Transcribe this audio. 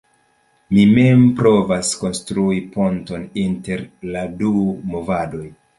Mi mem provas konstrui ponton inter la du movadoj.